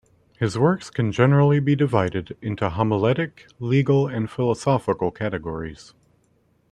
His works can generally be divided into homiletic, legal, and philosophical categories.